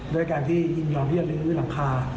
ด้วยการที่ยินยอมที่จะลื้อรำคา